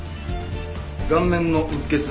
顔面のうっ血。